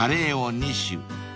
２種？